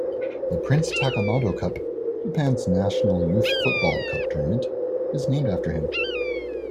The Prince Takamado Cup, Japan's national youth football cup tournament, is named after him.